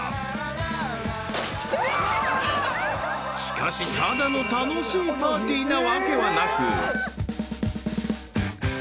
［しかしただの楽しいパーティーなわけはなく］